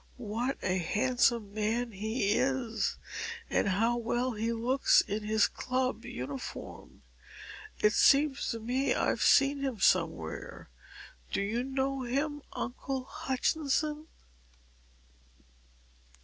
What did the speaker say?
What a handsome man he is, and how well he looks in his club uniform! It seems to me I've seen him somewhere. Do you know him, Uncle Hutchinson?"